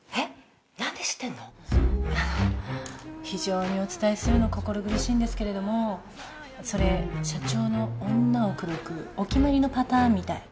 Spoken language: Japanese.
非常にお伝えするの心苦しいんですけれどもそれ社長の女を口説くお決まりのパターンみたい。